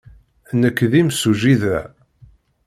Nekk d imsujji da.